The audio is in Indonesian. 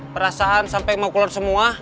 perasaan sampai mau keluar semua